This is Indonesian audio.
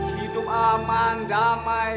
hidup aman damai